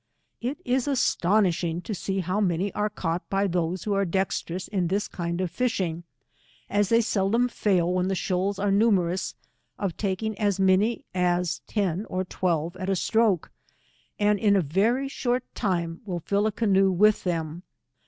It is astonishing to see how many are caught by those who are dexterous at this kind of fishing, as they seldom fail when the shaols are numerous, of taking as many as ten or twelve at a stroke, and in a very short time will fill a canoe with them.